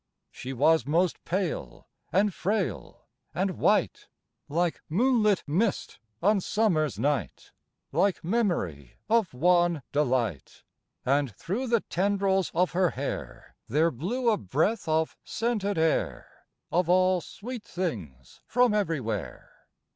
She was most pale, and frail, and white, Like moonlit mist on Summer's night, Like memory of wan delight. And thro' the tendrils of her hair There blew a breath of scented air, Of all sweet things from everywhere.